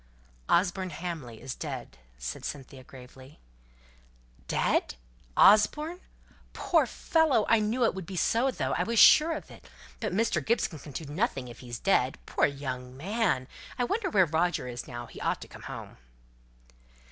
"Osborne Hamley is dead!" said Cynthia, gravely. "Dead! Osborne! Poor fellow! I knew it would be so, though, I was sure of it. But Mr. Gibson can do nothing if he's dead. Poor young man! I wonder where Roger is now? He ought to come home."